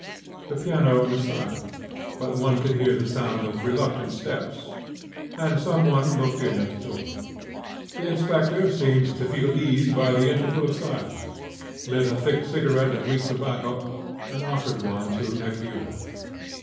The piano was silent, but one could hear the sound of reluctant steps, and some one looked in at the door. The inspector seemed to feel eased by the interval of silence, lit a thick cigarette of weak tobacco, and offered one to Nekhludoff.